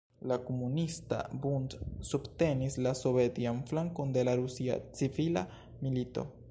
La Komunista Bund subtenis la sovetian flankon de la Rusia Civila Milito.